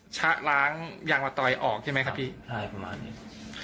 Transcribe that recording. ชะล้างยางมะตอยออกใช่ไหมครับพี่ใช่ประมาณนี้